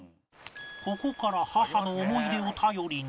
ここから母の思い出を頼りに